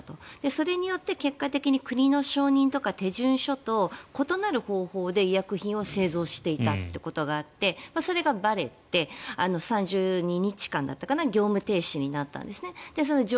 それによって結果的に国の手順書と異なる方法で医薬品を製造していたということがあってそれがばれて３２日間だったかな業務停止になったんですね。